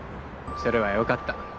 それはよかった。